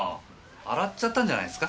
洗っちゃったんじゃないですか？